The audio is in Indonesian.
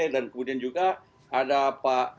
dan kemudian juga ada pak salih